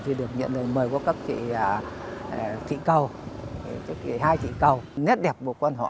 trước là để mời các liên quan họ liền anh vào để lễ phật lễ thánh